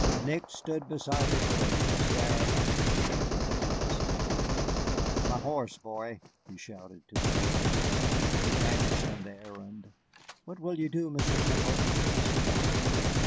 Nick stood beside the widow, staring after them until they had disappeared. "My horse, boy!" he shouted to the gaping negro, who vanished on the errand. "What will you do, Mr. Temple?" asked the widow.